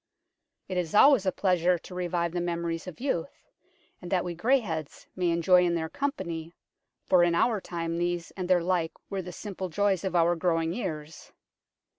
It is always a pleasure to revive the memories of youth, and that we greyheads may enjoy in their company, for in our time these and their like were the simple joys of our growing years.